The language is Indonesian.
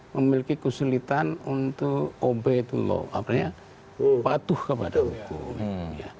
memiliki kesulitan untuk obey the law apa ya patuh kepada hukum